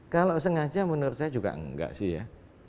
kalau sengaja menurut saya juga enggak sih ya